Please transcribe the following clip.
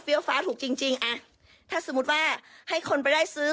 ฟ้าถูกจริงจริงอ่ะถ้าสมมุติว่าให้คนไปได้ซื้อ